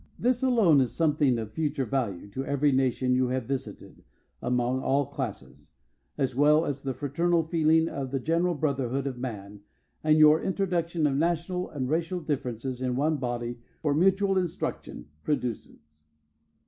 This alone is something of future value to every nation you have visited (among all classes), as well as the fraternal feeling of the general brotherhood of man that your introduction of national and racial differences in one body for mutual instruction produces.